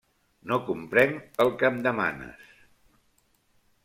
No comprenc el que em demanes.